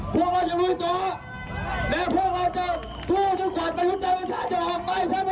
พวกเราจะรวยต่อและพวกเราจะสู้จนกว่าประยุทธ์จังโรชาจะออกไปใช่มั้ยใช่